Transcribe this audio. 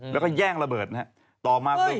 แล้วก็แย่งระเบิดนะฮะ